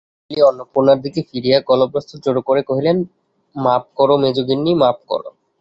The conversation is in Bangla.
এই বলিয়া অন্নপূর্ণার দিকে ফিরিয়া গলবস্ত্র-জোড়করে কহিলেন, মাপ করো মেজোগিন্নি, মাপ করো।